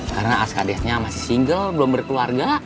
karena askadesnya masih single belum berkeluarga